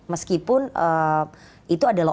meskipun itu adalah